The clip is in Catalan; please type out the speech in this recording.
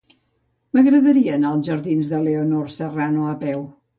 M'agradaria anar als jardins de Leonor Serrano a peu.